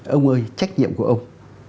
ông ơi trách nhiệm của ông